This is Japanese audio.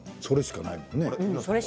それしかないよね。